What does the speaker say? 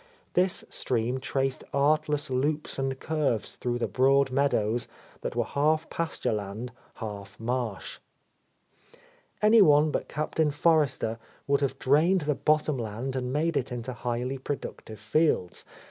This stream traced artless loops and curves through the broad meadows that were half pasture land, half marsh. Any one but Captain Forrester would have drained the bottom land and made it into highly productive fields.